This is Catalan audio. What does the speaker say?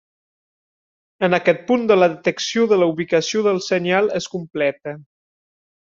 En aquest punt la detecció de la ubicació del senyal és completa.